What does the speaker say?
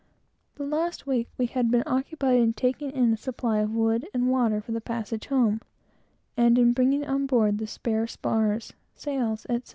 The last week, we had been occupied in taking in a supply of wood and water for the passage home, and bringing on board the spare spars, sails, etc.